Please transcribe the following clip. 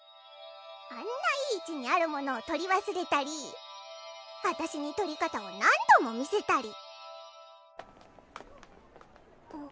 あんないい位置にあるものを取り忘れたり私に取り方を何度も見せたり。